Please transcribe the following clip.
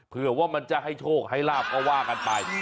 เผื่อว่ามันจะให้โชคให้ลาบก็ว่ากันไป